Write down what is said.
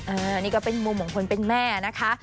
อันนี้ก็เป็นมุมของคนเป็นแม่นะคะ